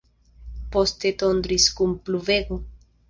Poste tondris kun pluvego.